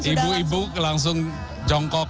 ibu ibu langsung jongkok